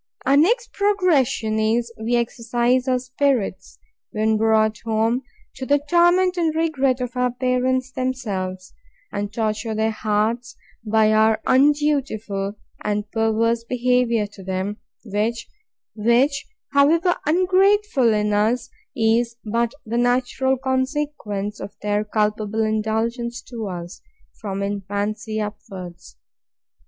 Our next progression is, we exercise our spirits, when brought home, to the torment and regret of our parents themselves, and torture their hearts by our undutiful and perverse behaviour to them, which, however ungrateful in us, is but the natural consequence of their culpable indulgence to us, from infancy upwards.